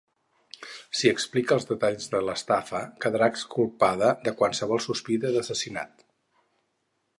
Si explica els detalls de l'estafa quedarà exculpada de qualsevol sospita d'assassinat.